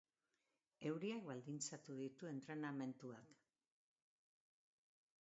Euriak baldintzatu ditu entrenamenduak.